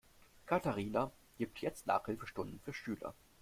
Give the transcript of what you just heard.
Katharina gibt jetzt Nachhilfestunden für Schüler.